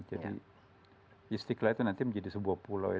jadi istiqlal itu nanti menjadi sebuah pulau ya